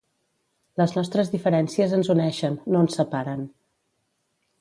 Les nostres diferències ens uneixen, no ens separen.